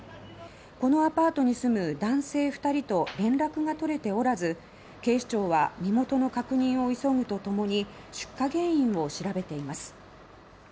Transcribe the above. このアパートに住む男性２人と連絡が取れておらず警視庁は身元の確認を急ぐとともに出火原因を調べています。